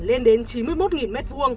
lên đến chín mươi một m hai